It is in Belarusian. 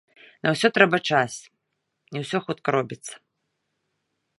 На ўсё трэба час, не ўсё хутка робіцца.